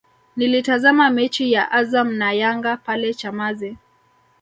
Nilitazama mechi ya Azam na Yanga pale Chamazi